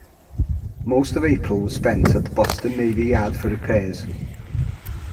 Most of April was spent at the Boston Navy Yard for repairs.